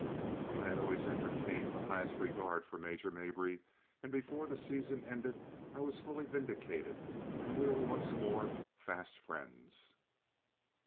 I had always entertained the highest regard for Major Mabry, and before the season ended I was fully vindicated and we were once more fast friends.